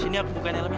sini aku bukain helmnya